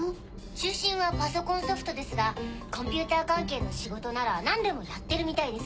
中心はパソコンソフトですがコンピューター関係の仕事なら何でもやってるみたいです。